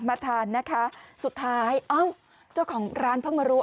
มาทานนะคะสุดท้ายเอ้าเจ้าของร้านเพิ่งมารู้